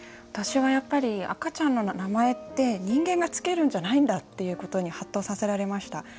私は赤ちゃんの名前って人間が付けるんじゃないんだっていうことにはっとさせられました。